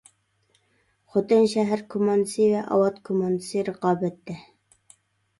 خوتەن شەھەر كوماندىسى ۋە ئاۋات كوماندىسى رىقابەتتە!